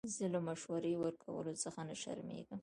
زه له مشورې ورکولو څخه نه شرمېږم.